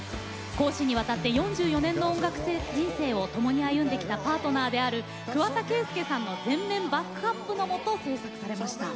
公私にわたって４４年の音楽人生をともに歩んできたパートナーである桑田佳祐さんの全面バックアップのもと制作されました。